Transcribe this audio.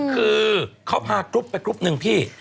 คือเขาพาทุกใบทุกหนึ่งพี่